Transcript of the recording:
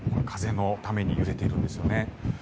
風のために揺れてるんですよね。